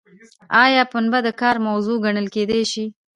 ایا پنبه د کار موضوع ګڼل کیدای شي؟